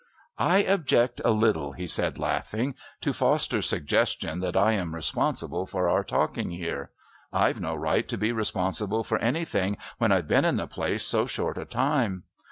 "I object a little," he said, laughing, "to Foster's suggestion that I am responsible for our talking here. I've no right to be responsible for anything when I've been in the place so short a time.